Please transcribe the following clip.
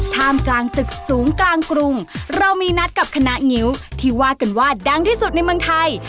ท่ามกลางตึกสูงกลางกรุงเรามีนัดกับคณะงิ้วที่ว่ากันว่าดังที่สุดในเมืองไทย